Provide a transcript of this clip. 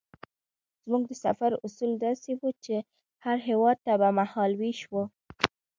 زموږ د سفر اصول داسې وو چې هر هېواد ته به مهال وېش وو.